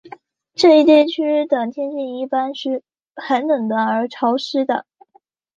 这一地区的天气一般是寒冷而潮湿的。